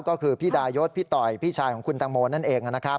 ก็คือพี่ดายศพี่ต่อยพี่ชายของคุณตังโมนั่นเองนะครับ